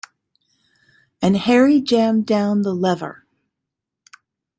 And Harry jammed down the lever.